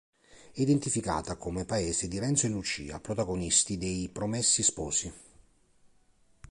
È identificata come paese di Renzo e Lucia, protagonisti de I Promessi Sposi.